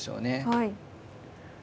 はい。